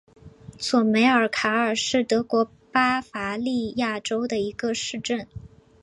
索梅尔卡尔是德国巴伐利亚州的一个市镇。